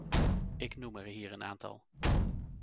Ik noem er hier een aantal.